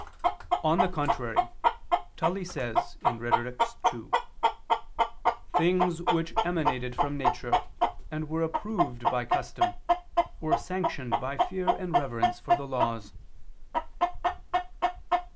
On the contrary, Tully says (Rhet. ii): "Things which emanated from nature and were approved by custom, were sanctioned by fear and reverence for the laws."